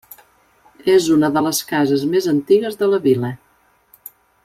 És una de les cases més antigues de la vila.